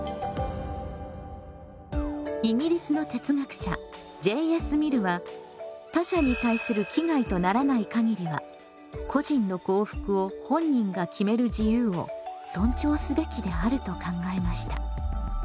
イギリスの哲学者Ｊ．Ｓ．ミルは他者に対する危害とならないかぎりは個人の幸福を本人が決める自由を尊重すべきであると考えました。